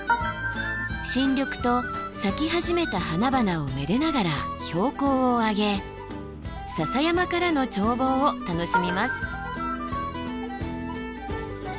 新緑と咲き始めた花々をめでながら標高を上げ笹山からの眺望を楽しみます。